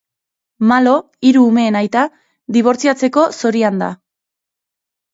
Malo, hiru umeen aita, dibortziatzeko zorian da.